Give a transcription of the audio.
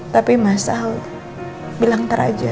tapi masa bilang ntar aja